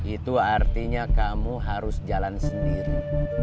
itu artinya kamu harus jalan sendiri